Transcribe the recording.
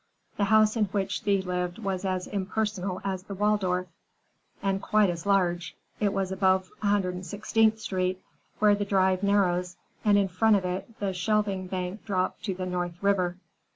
The house in which Thea lived was as impersonal as the Waldorf, and quite as large. It was above 116th Street, where the Drive narrows, and in front of it the shelving bank dropped to the North River.